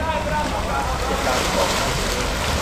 直人講直話